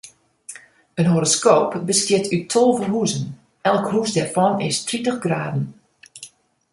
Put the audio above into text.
In horoskoop bestiet út tolve huzen, elk hûs dêrfan is tritich graden.